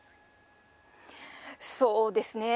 そうですね。